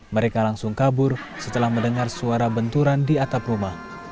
mereka langsung kabur setelah mendengar suara benturan di atap rumah